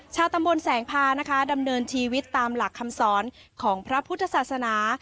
ชาวตำบลแสงพานะคะดำเนินชีวิตตามหลักคำสอนของพระพุทธศาสนา